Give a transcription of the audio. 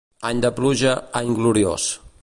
Any de pluja, any gloriós.